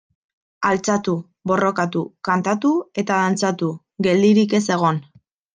Altxatu, borrokatu, kantatu eta dantzatu, geldirik ez egon.